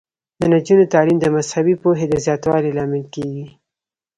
د نجونو تعلیم د مذهبي پوهې د زیاتوالي لامل کیږي.